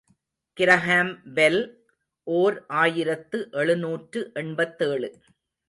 Graham Bell, ஓர் ஆயிரத்து எழுநூற்று எண்பத்தேழு.